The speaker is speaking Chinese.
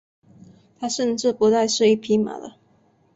他甚至不再是一匹马了。